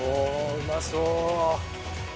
うまそう！